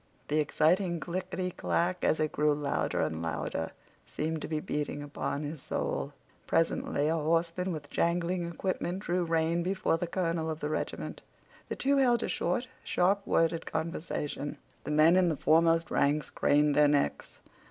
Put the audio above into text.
The exciting clickety click, as it grew louder and louder, seemed to be beating upon his soul. Presently a horseman with jangling equipment drew rein before the colonel of the regiment. The two held a short, sharp worded conversation. The men in the foremost ranks craned their necks.